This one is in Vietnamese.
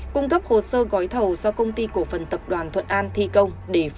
cung cấp hồ sơ gói thầu do công ty cổ phần tập đoàn thuận an thi công